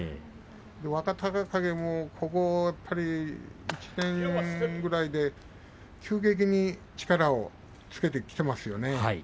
若隆景も、この１年くらいで急激に力をつけてきています。